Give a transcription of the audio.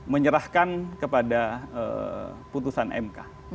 menyerahkan kepada putusan mk